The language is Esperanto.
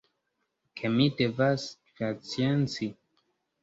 Ke mi devas pacienci.